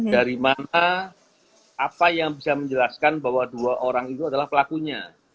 dari mana apa yang bisa menjelaskan bahwa dua orang itu adalah pelakunya